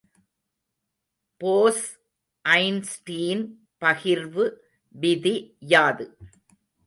Bose Einstein பகிர்வு விதி யாது?